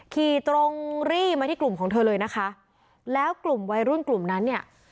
ขี่ตรงรี่มาที่กลุ่มของเธอเลยนะคะแล้วกลุ่มวัยรุ่นกลุ่มนั้นเนี่ย